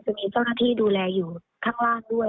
จะมีเจ้าหน้าที่ดูแลอยู่ข้างล่างด้วย